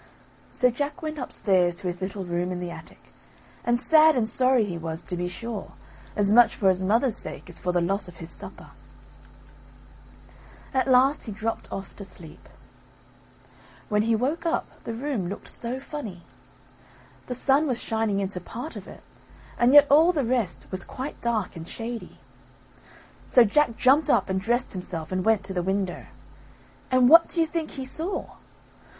So Jack went upstairs to his little room in the attic, and sad and sorry he was, to be sure, as much for his mother's sake, as for the loss of his supper. At last he dropped off to sleep. When he woke up, the room looked so funny. The sun was shining into part of it, and yet all the rest was quite dark and shady. So Jack jumped up and dressed himself and went to the window. And what do you think he saw?